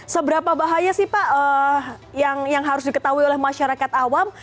seberapa bahaya sih pak yang harus diketahui oleh masyarakat awam